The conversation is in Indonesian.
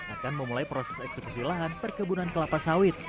akan memulai proses eksekusi lahan perkebunan kelapa sawit